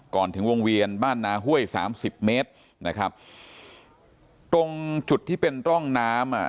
ก่อนถึงวงเวียนบ้านนาห้วยสามสิบเมตรนะครับตรงจุดที่เป็นร่องน้ำอ่ะ